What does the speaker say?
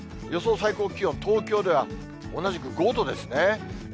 予想最高気温、東京では同じく５度ですね。